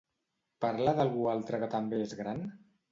Parla d'algú altre que també és gran?